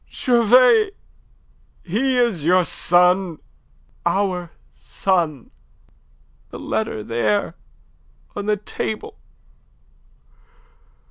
Gervais, he is your son our son! The letter there... on the table...